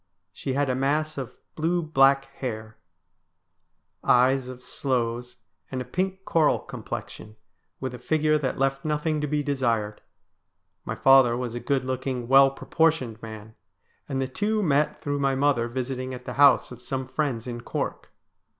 She had a mass of blue black hair, eyes of sloes, and a pink coral complexion, with a figure that left nothing to be desired. My father was a good looking, well proportioned man, and the two met through my mother visiting at the house of some friends in Cork.